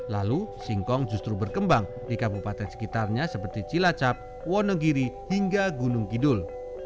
lalu singkong justru berkembang di kabupaten sekitarnya seperti cilacap wonogiri hingga gunung kidul